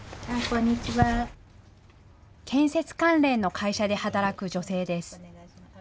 建設関連の会社で働く女性です。